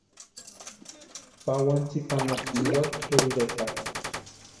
Pawani tsipa anapu niwaka Kʼeri iretarhu.